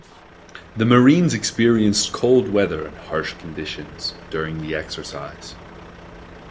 The Marines experienced cold weather and harsh conditions during the exercise.